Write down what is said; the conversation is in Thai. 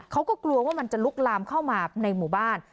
เขาก็กลัวว่ามันจะลุกลามเข้ามาในหมู่บ้าน